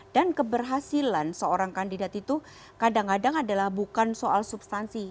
dan keberhasilan seorang kandidat itu kadang kadang adalah bukan soal substansi